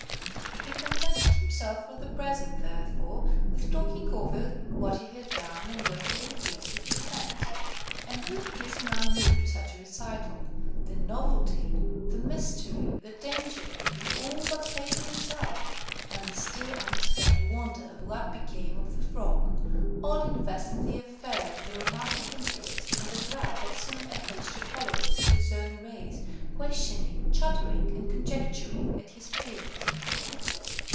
He contented himself for the present, therefore, with talking over what he had done, and where he had been, with his friends. And who could listen unmoved to such a recital? The novelty, the mystery, the danger, the all but fatal result, and the still unexplained wonder of what became of the Frog,–all invested the affair with a romantic interest, and the Grub had soon a host of followers of his own race, questioning, chattering, and conjecturing, at his heels.